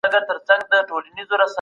هغه وویل چي زه نور نه شرمیږم.